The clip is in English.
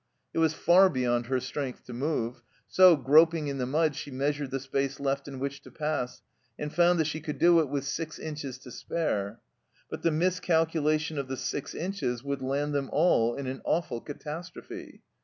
It was far beyond her strength to move, so, groping in the mud, she measured the space left in which to pass, and found she could do it with six inches to spare, but the miscalculation of the six inches would land them all in an awful catastrophe